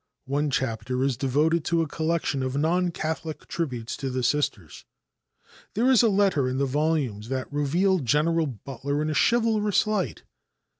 One chapter is devoted to a collection of non Catholic tributes to the Sisters. There is a letter in the volume that reveals General Butler in a chivalrous light.